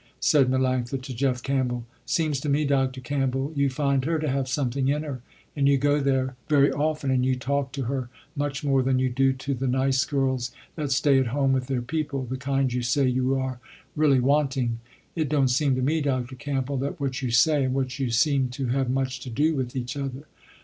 said Melanctha to Jeff Campbell, "seems to me Dr. Campbell you find her to have something in her, and you go there very often, and you talk to her much more than you do to the nice girls that stay at home with their people, the kind you say you are really wanting. It don't seem to me Dr. Campbell, that what you say and what you do seem to have much to do with each other.